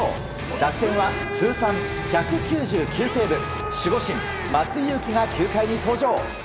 楽天は通算１９９セーブ守護神・松井裕樹が９回に登場。